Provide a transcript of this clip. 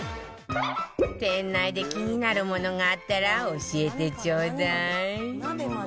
店内で気になるものがあったら教えてちょうだい鍋まで。